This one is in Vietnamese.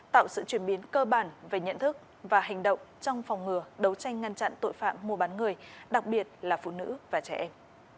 tạo sự chuyển biến cơ bản về nhận thức và hành động trong phòng ngừa đấu tranh ngăn chặn tội phạm mua bán người đặc biệt là phụ nữ và trẻ em